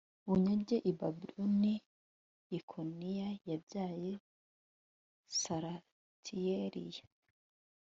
bunyage i Babuloni Yekoniya yabyaye Salatiyeli a